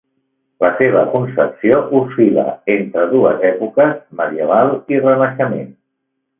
La seva concepció oscil·la entre dues èpoques, medieval i renaixement.